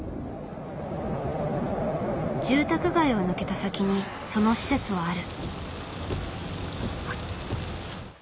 住宅街を抜けた先にその施設はある。